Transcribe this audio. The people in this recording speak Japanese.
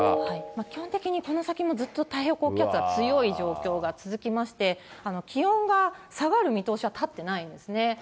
基本的にこの先も、ずっと太平洋高気圧が強い状況が続きまして、気温が下がる見通しは立ってないんですね。